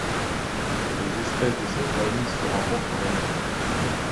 Les espèces de cette famille se rencontrent en Amérique.